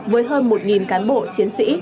với hơn một cán bộ chiến sĩ